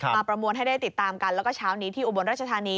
ประมวลให้ได้ติดตามกันแล้วก็เช้านี้ที่อุบลราชธานี